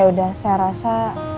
yaudah saya rasa